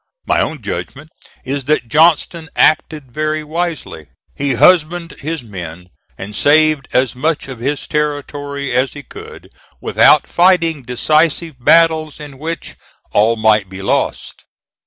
My own judgment is that Johnston acted very wisely: he husbanded his men and saved as much of his territory as he could, without fighting decisive battles in which all might be lost.